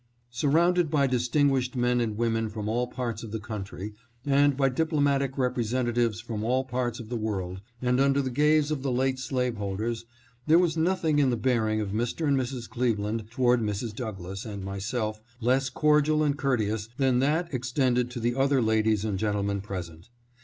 Surrounded by distinguished men and women from all parts of the country and by diplomatic repre sentatives from all parts of the world, and under the gaze of the late slaveholders, there was nothing in the bearing of Mr. and Mrs. Cleveland toward Mrs. Doug lass and myself less cordial and courteous than that extended to the other ladies and gentlemen present.